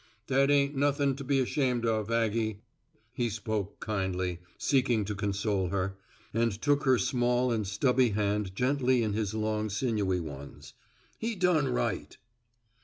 "That ain't nothing to be ashamed of, Aggie," he spoke kindly, seeking to console her, and took her small and stubby hand gently in his long sinewy ones; "he done right."